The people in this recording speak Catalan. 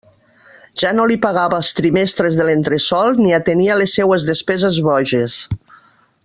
Ja no li pagava els trimestres de l'entresòl, ni atenia les seues despeses boges.